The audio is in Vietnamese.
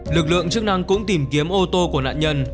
lực lượng chức năng cũng tìm kiếm ô tô của nạn nhân